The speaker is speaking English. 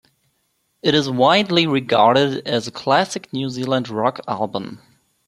It is widely regarded as a classic New Zealand rock album.